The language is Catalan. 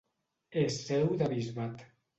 És seu de bisbat.